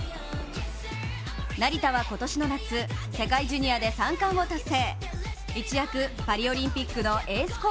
成田は今年の夏、世界ジュニアで３冠を達成。